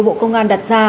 bộ công an đặt ra